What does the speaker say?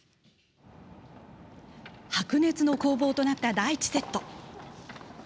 白熱の攻防となった第１セット。